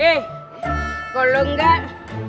eh kalau enggak